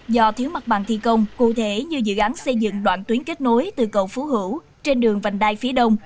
do thiếu mặt bằng thi công cụ thể như dự án xây dựng đoạn tuyến kết nối từ cầu phú hữu trên đường vành đai phía đông